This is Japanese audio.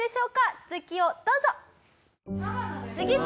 続きをどうぞ！